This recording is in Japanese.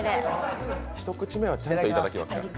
一口目はちゃんといただきますから。